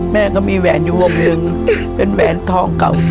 แม่ก็มีแหวนอยู่วงหนึ่งเป็นแหวนทองเก่า